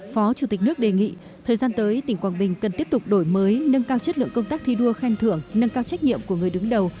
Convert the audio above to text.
phó chủ tịch nước đề nghị thời gian tới tỉnh quảng bình cần tiếp tục đổi mới nâng cao chất lượng công tác thi đua khen thưởng nâng cao trách nhiệm của người đứng đầu